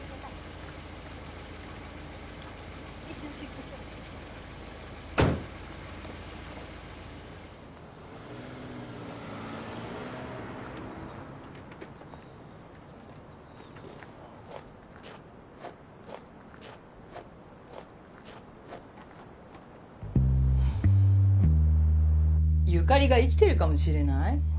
現在由香里が生きてるかもしれない？